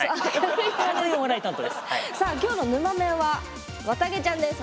さあ今日の沼メンはわたげちゃんです。